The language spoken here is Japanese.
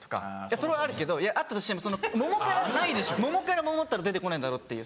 それはあるけどあったとしても桃から桃太郎出て来ないだろっていう。